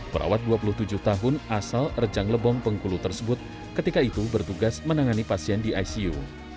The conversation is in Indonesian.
perawat dua puluh tujuh tahun asal rejang lebong bengkulu tersebut ketika itu bertugas menangani pasien di icu